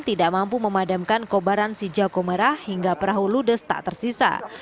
tidak mampu memadamkan kobaran si jago merah hingga perahu ludes tak tersisa